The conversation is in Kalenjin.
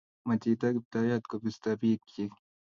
ma chito kiptayat kobisto biikchich